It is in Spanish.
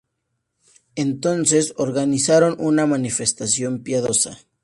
Entonces organizaron una manifestación piadosa.